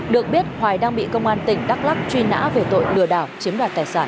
được biết hoài đang bị công an tỉnh đắk lắc truy nã về tội lừa đảo chiếm đoạt tài sản